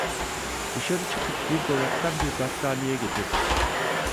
Dışarı çıkıp bir dolaptan bir battaniye getirdi.